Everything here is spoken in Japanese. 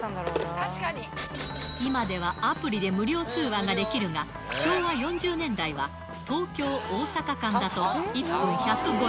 今ではアプリで無料通話ができるが、昭和４０年代は、東京・大阪間だと１分１０５円。